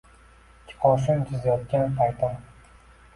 Ikki qoshin chizyotgan paytim